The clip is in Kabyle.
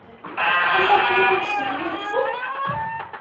Ufant iman-nsent yid-sen?